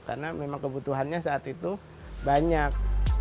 karena memang kebutuhannya saat itu banyak